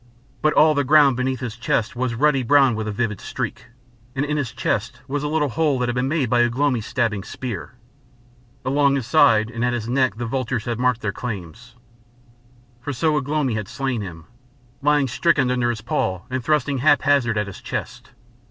But all the ground beneath his chest was ruddy brown with a vivid streak, and in his chest was a little hole that had been made by Ugh lomi's stabbing spear. Along his side and at his neck the vultures had marked their claims. For so Ugh lomi had slain him, lying stricken under his paw and thrusting haphazard at his chest.